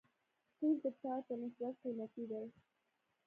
قیر د ټار په نسبت قیمتي دی